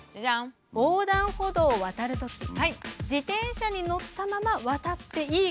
横断歩道を渡るとき自転車に乗ったまま渡っていいかどうか。